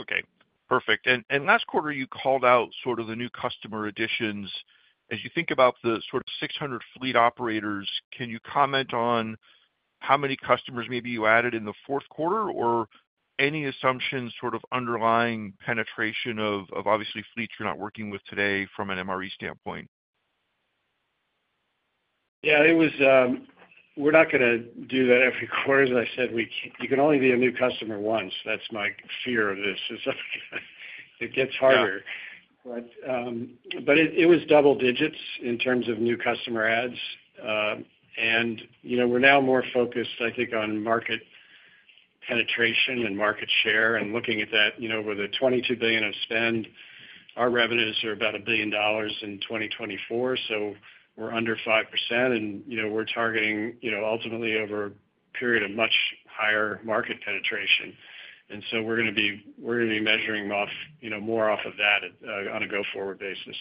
[SPEAKER 13] Okay. Perfect. And last quarter, you called out sort of the new customer additions. As you think about the sort of 600 fleet operators, can you comment on how many customers maybe you added in the Q4 or any assumptions sort of underlying penetration of obviously fleets you're not working with today from an MRE standpoint?
[SPEAKER 3] Yeah, it was. We're not going to do that every quarter. As I said, you can only be a new customer once. That's my fear of this. It gets harder. But it was double digits in terms of new customer adds. And, you know, we're now more focused, I think, on market penetration and market share and looking at that, you know, with $22 billion of spend, our revenues are about $1 billion in 2024. So we're under 5%. And, you know, we're targeting, you know, ultimately over a period of much higher market penetration. And so we're going to be measuring off, you know, more off of that on a go-forward basis.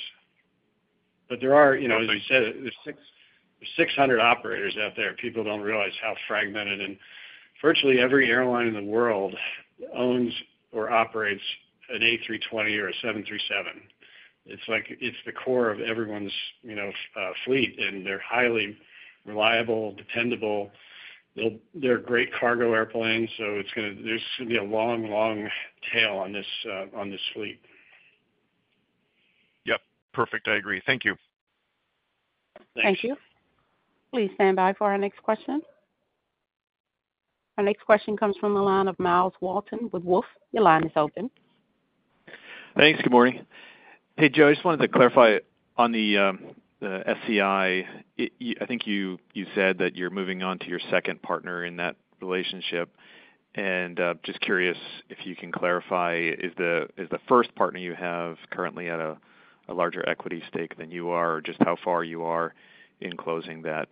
[SPEAKER 3] But there are, you know, as I said, there's 600 operators out there. People don't realize how fragmented. Virtually every airline in the world owns or operates an A320 or a 737. It's like it's the core of everyone's, you know, fleet. They're highly reliable, dependable. They're great cargo airplanes. It's going to be a long, long tail on this fleet.
[SPEAKER 13] Yep. Perfect. I agree. Thank you.
[SPEAKER 3] Thanks.
[SPEAKER 1] Thank you. Please stand by for our next question. Our next question comes from the line of Miles Walton with Wolfe. Your line is open.
[SPEAKER 14] Thanks. Good morning. Joe, I just wanted to clarify on the SCI. I think you said that you're moving on to your second partner in that relationship, and just curious if you can clarify, is the first partner you have currently at a larger equity stake than you are or just how far you are in closing that,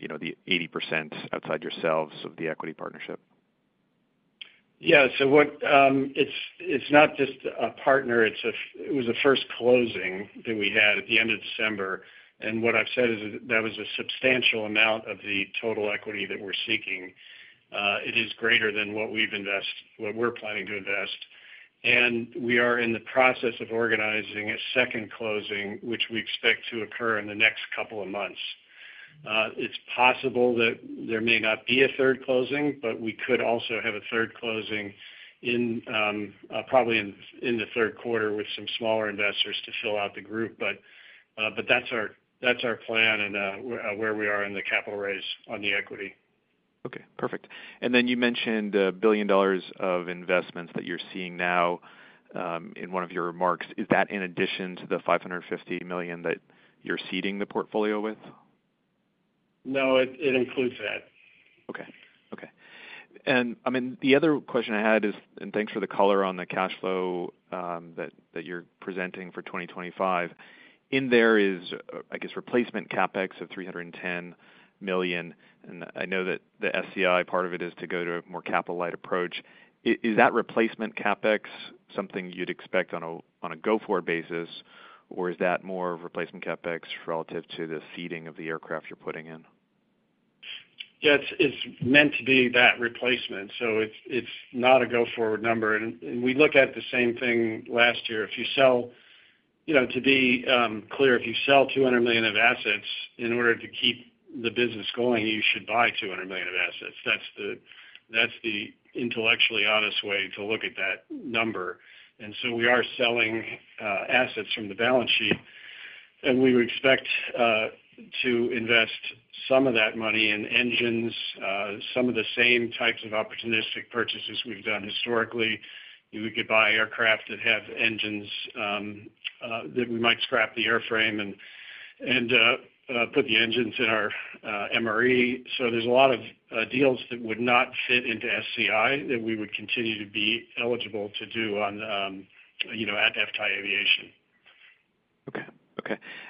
[SPEAKER 14] you know, the 80% outside yourselves of the equity partnership?
[SPEAKER 3] So it's not just a partner. It was a first closing that we had at the end of December. And what I've said is that was a substantial amount of the total equity that we're seeking. It is greater than what we've invested, what we're planning to invest. And we are in the process of organizing a second closing, which we expect to occur in the next couple of months. It's possible that there may not be a third closing, but we could also have a third closing probably in the Q3 with some smaller investors to fill out the group. But that's our plan and where we are in the capital raise on the equity.
[SPEAKER 14] Perfect. And then you mentioned $1 billion of investments that you're seeing now in one of your remarks. Is that in addition to the $550 million that you're seeding the portfolio with?
[SPEAKER 3] No, it includes that.
[SPEAKER 14] Okay. And I mean, the other question I had is, and thanks for the color on the cash flow that you're presenting for 2025. In there is, I guess, replacement CapEx of $310 million. And I know that the SCI part of it is to go to a more capital-light approach. Is that replacement CapEx something you'd expect on a go-forward basis, or is that more replacement CapEx relative to the seeding of the aircraft you're putting in?
[SPEAKER 3] Yeah, it's meant to be that replacement. So it's not a go-forward number. And we look at the same thing last year. If you sell, you know, to be clear, if you sell $200 million of assets in order to keep the business going, you should buy $200 million of assets. That's the intellectually honest way to look at that number. And so we are selling assets from the balance sheet. And we would expect to invest some of that money in engines, some of the same types of opportunistic purchases we've done historically. We could buy aircraft that have engines that we might scrap the airframe and put the engines in our MRE. So there's a lot of deals that would not fit into SCI that we would continue to be eligible to do on, you know, at FTAI Aviation.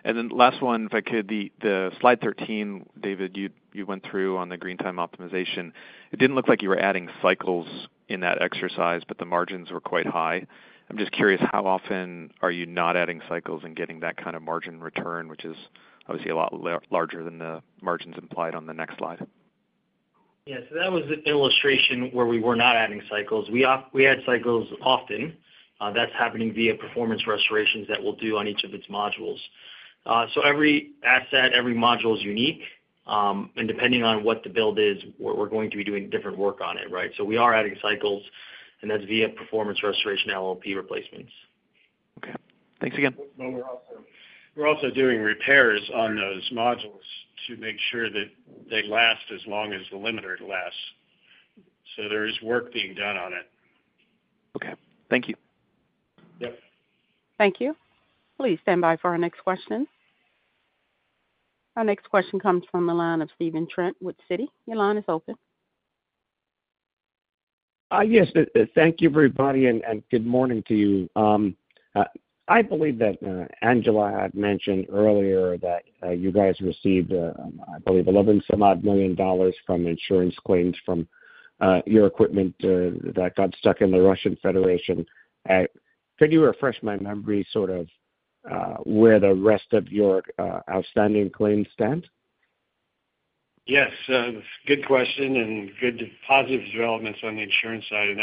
[SPEAKER 14] And then last one, if I could, the Slide 13, David, you went through on the green time optimization. It didn't look like you were adding cycles in that exercise, but the margins were quite high. I'm just curious, how often are you not adding cycles and getting that kind of margin return, which is obviously a lot larger than the margins implied on the next slide?
[SPEAKER 7] Yes. That was an illustration where we were not adding cycles. We had cycles often. That's happening via performance restorations that we'll do on each of its modules. So every asset, every module is unique. And depending on what the build is, we're going to be doing different work on it, right? So we are adding cycles. And that's via performance restoration LLP replacements.
[SPEAKER 14] Okay. Thanks again.
[SPEAKER 3] We're also doing repairs on those modules to make sure that they last as long as the limiter lasts, so there is work being done on it.
[SPEAKER 14] Okay. Thank you.
[SPEAKER 3] Yep.
[SPEAKER 1] Thank you. Please stand by for our next question. Our next question comes from the line of Stephen Trent with Citi. Your line is open.
[SPEAKER 15] Yes. Thank you, everybody, and good morning to you. I believe that Angela had mentioned earlier that you guys received, I believe, $11 million or so from insurance claims from your equipment that got stuck in the Russian Federation. Could you refresh my memory sort of where the rest of your outstanding claims stand?
[SPEAKER 3] Yes. Good question and good positive developments on the insurance side. And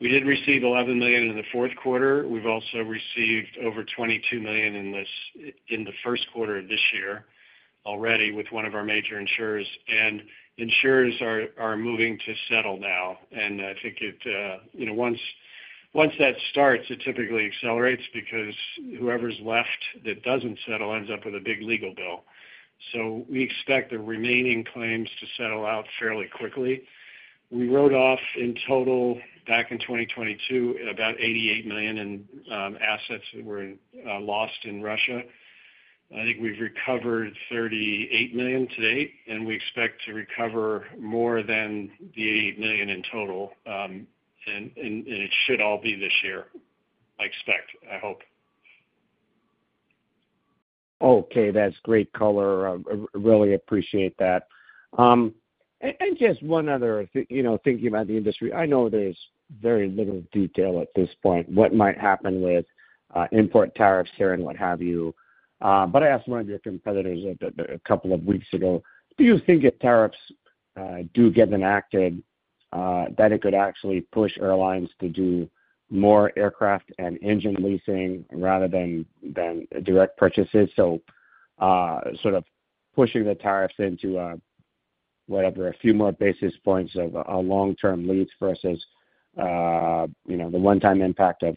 [SPEAKER 3] we did receive $11 million in the Q4. We've also received over $22 million in the Q1 of this year already with one of our major insurers. And insurers are moving to settle now. And I think it, you know, once that starts, it typically accelerates because whoever's left that doesn't settle ends up with a big legal bill. So we expect the remaining claims to settle out fairly quickly. We wrote off in total back in 2022 about $88 million in assets that were lost in Russia. I think we've recovered $38 million to date. And we expect to recover more than the $88 million in total. And it should all be this year, I expect, I hope.
[SPEAKER 15] Okay. That's great color. Really appreciate that. And just one other, you know, thinking about the industry, I know there's very little detail at this point, what might happen with import tariffs here and what have you. But I asked one of your competitors a couple of weeks ago, do you think if tariffs do get enacted, that it could actually push airlines to do more aircraft and engine leasing rather than direct purchases? So sort of pushing the tariffs into whatever, a few more basis points of long-term leases versus, you know, the one-time impact of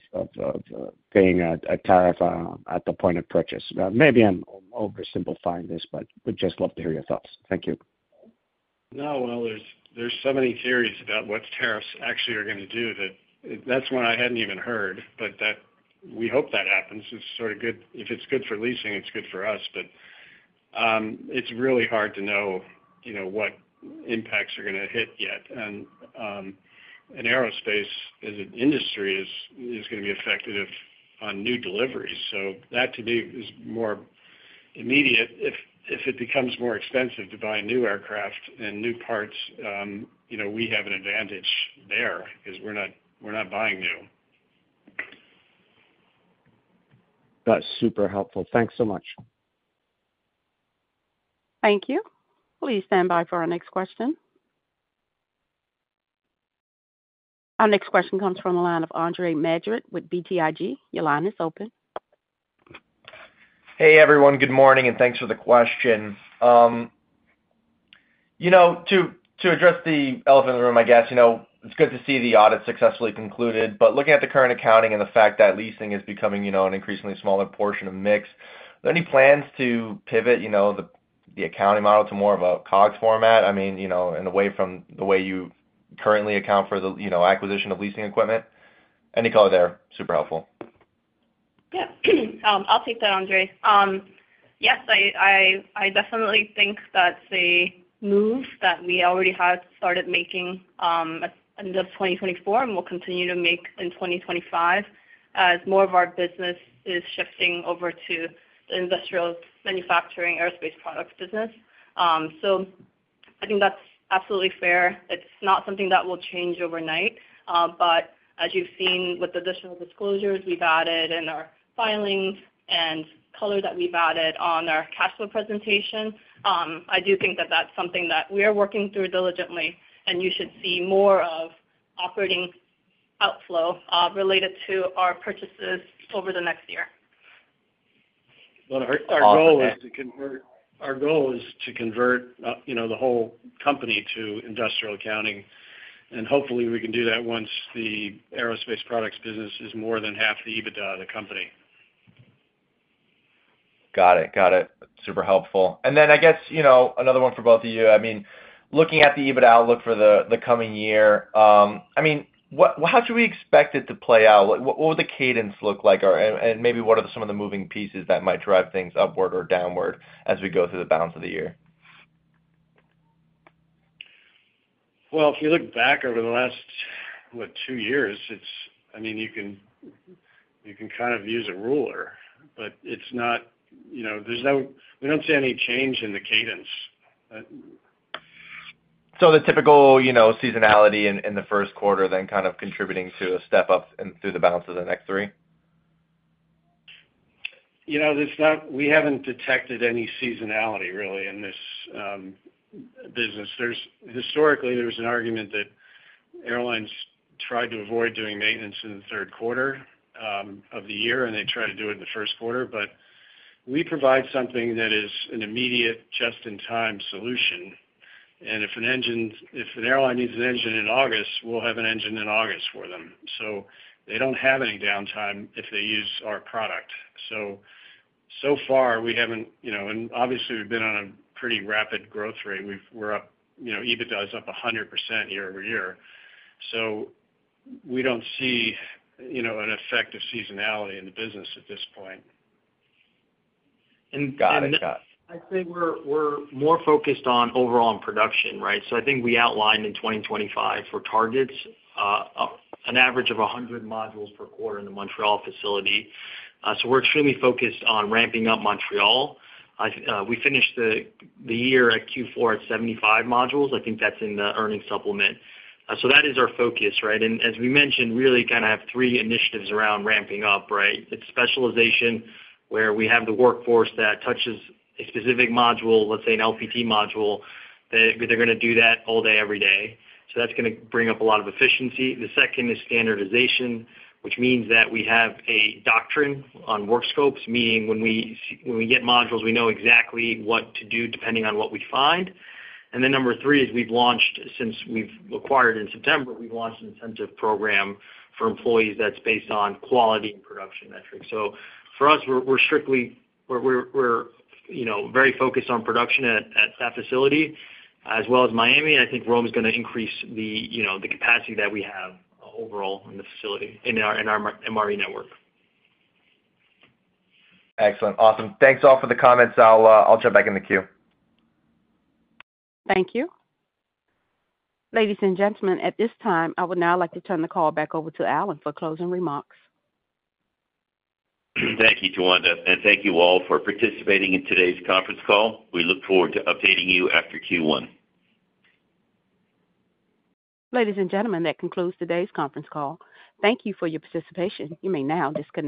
[SPEAKER 15] paying a tariff at the point of purchase. Maybe I'm oversimplifying this, but would just love to hear your thoughts. Thank you.
[SPEAKER 3] No, well, there's so many theories about what tariffs actually are going to do that that's one I hadn't even heard. But that we hope that happens. It's sort of good. If it's good for leasing, it's good for us. But it's really hard to know, you know, what impacts are going to hit yet. And an aerospace industry is going to be affected on new deliveries. So that to me is more immediate if it becomes more expensive to buy new aircraft and new parts, you know, we have an advantage there because we're not buying new.
[SPEAKER 15] That's super helpful. Thanks so much.
[SPEAKER 1] Thank you. Please stand by for our next question. Our next question comes from the line of Andrew Merritt with BTIG. Your line is open.
[SPEAKER 8] Good morning, and thanks for the question. You know, to address the elephant in the room, I guess, you know, it's good to see the audit successfully concluded, but looking at the current accounting and the fact that leasing is becoming, you know, an increasingly smaller portion of mix, are there any plans to pivot, you know, the accounting model to more of a COGS format? I mean, you know, and away from the way you currently account for the, you know, acquisition of leasing equipment? Any color there? Super helpful.
[SPEAKER 4] Yeah. I'll take that, Andrew. Yes, I definitely think that the move that we already had started making at the end of 2024 and will continue to make in 2025 as more of our business is shifting over to the industrial manufacturing aerospace products business. So I think that's absolutely fair. It's not something that will change overnight. But as you've seen with the additional disclosures we've added in our filings and color that we've added on our cash flow presentation, I do think that that's something that we are working through diligently. And you should see more of operating outflow related to our purchases over the next year.
[SPEAKER 3] Our goal is to convert, you know, the whole company to industrial accounting, and hopefully we can do that once the aerospace products business is more than half the EBITDA of the company.
[SPEAKER 8] Got it. Got it. Super helpful. And then I guess, you know, another one for both of you. I mean, looking at the EBITDA outlook for the coming year, I mean, how should we expect it to play out? What would the cadence look like? And maybe what are some of the moving pieces that might drive things upward or downward as we go through the balance of the year?
[SPEAKER 3] If you look back over the last, what, two years, it's, I mean, you can kind of use a ruler. But it's not, you know, there's no, we don't see any change in the cadence.
[SPEAKER 8] So the typical, you know, seasonality in the Q1 then kind of contributing to a step up through the balance of the next three?
[SPEAKER 3] You know, there's not. We haven't detected any seasonality really in this business. There's historically. There was an argument that airlines tried to avoid doing maintenance in the Q3 of the year. And they tried to do it in the Q1. But we provide something that is an immediate, just-in-time solution. And if an airline needs an engine in August, we'll have an engine in August for them. So they don't have any downtime if they use our product. So, so far, we haven't, you know, and obviously we've been on a pretty rapid growth rate. We're up, you know. EBITDA is up 100% year over year. So we don't see, you know, an effect of seasonality in the business at this point.
[SPEAKER 7] And I think we're more focused on overall production, right? So I think we outlined in 2025 for targets an average of 100 modules per quarter in the Montreal facility. So we're extremely focused on ramping up Montreal. We finished the year at Q4 at 75 modules. I think that's in the earnings supplement. So that is our focus, right? And as we mentioned, really kind of have three initiatives around ramping up, right? It's specialization where we have the workforce that touches a specific module, let's say an LPT module, that they're going to do that all day, every day. So that's going to bring up a lot of efficiency. The second is standardization, which means that we have a doctrine on work scopes, meaning when we get modules, we know exactly what to do depending on what we find. Then number three is we've launched, since we've acquired in September, we've launched an incentive program for employees that's based on quality and production metrics. So for us, we're, you know, very focused on production at that facility as well as Miami. I think Rome is going to increase the, you know, capacity that we have overall in the facility and in our MRE network.
[SPEAKER 8] Excellent. Awesome. Thanks all for the comments. I'll jump back in the queue.
[SPEAKER 1] Thank you. Ladies and gentlemen, at this time, I would now like to turn the call back over to Alan for closing remarks.
[SPEAKER 2] Thank you, Tawanda. Thank you all for participating in today's conference call. We look forward to updating you after Q1.
[SPEAKER 1] Ladies and gentlemen, that concludes today's conference call. Thank you for your participation. You may now disconnect.